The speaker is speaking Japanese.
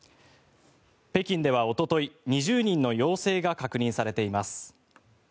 北京ではおととい２０人の陽性が確認されています。